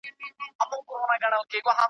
مخ يې تور په ونه جگ په اوږو پلن وو .